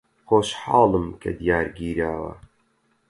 خۆشحاڵم کە دیار گیراوە.